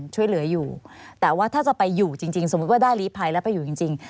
ช่วยเหลืออยู่แต่ว่าถ้าจะไปอยู่จริงสมมุติว่าได้ลีภัยแล้วไปอยู่จริง